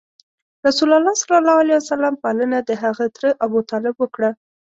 رسول الله ﷺ پالنه دهغه تره ابو طالب وکړه.